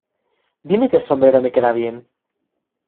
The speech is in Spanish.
Dime que el sombrero me quedaba bien.